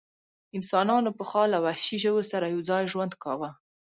انسانانو پخوا له وحشي ژوو سره یو ځای ژوند کاوه.